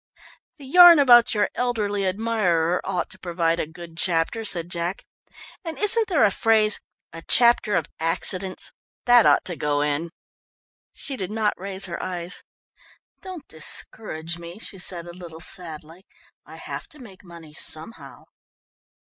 "The yarn about your elderly admirer ought to provide a good chapter," said Jack, "and isn't there a phrase 'A Chapter of Accidents' that ought to go in?" She did not raise her eyes. "Don't discourage me," she said a little sadly. "I have to make money somehow."